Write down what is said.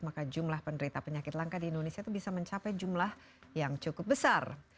maka jumlah penderita penyakit langka di indonesia itu bisa mencapai jumlah yang cukup besar